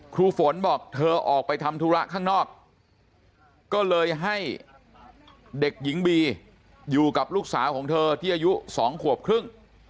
ครูฝนบอกเธอออกไปทำธุระข้างนอกก็เลยให้เด็กหญิงบีอยู่กับลูกสาวของเธอที่อายุ๒ขวบครึ่ง